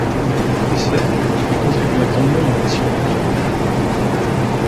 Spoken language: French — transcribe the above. De ce fait, il contribua grandement au maintien du club parmi l'élite.